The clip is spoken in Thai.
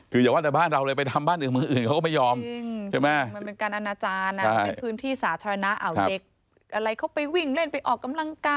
คืออย่าว่าแต่บ้านเราเลยไปทำบ้านอื่นเมืองอื่นเขาก็ไม่ยอมใช่ไหม